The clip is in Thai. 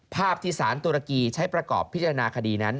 ภาพที่สารตุรกีใช้ประกอบพิจารณาคดีนั้น